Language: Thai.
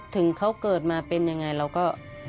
ถึงเขาเกิดมาเป็นยังไงเราก็